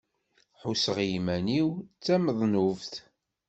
Ḥusseɣ iman-iw d tamednubt.